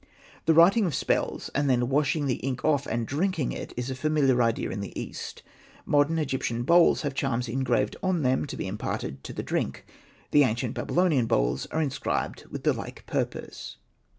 The writing of spells and then washing the ink off and drinking it is a familiar idea in the East. Modern Egyptian bowls have charms engraved on them to be imparted to the drink, and ancient Babylonian bowls are inscribed with the like purpose.